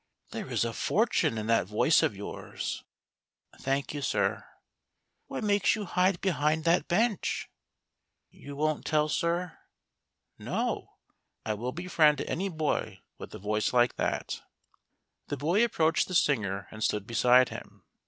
" There is a fortune in that voice of yours." " Thank you, sir." " What makes you hide behind that bench ?"" You won't tell, sir? "" No ; I will befriend any boy with a voice like thatr The boy approached the singer and stood beside him.